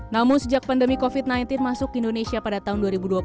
namun sejak pandemi covid sembilan belas masuk ke indonesia pada tahun dua ribu dua puluh